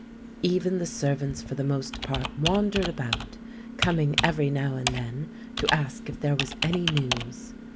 Even the servants for the most part wandered about, coming every now and then to ask if there was any news.